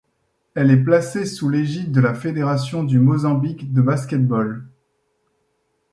Elle est placée sous l'égide de la Fédération du Mozambique de basket-ball.